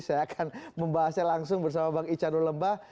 saya akan membahasnya langsung bersama bang ican ulemba